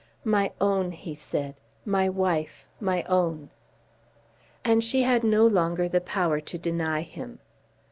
"My own," he said; "my wife my own!" And she had no longer the power to deny him.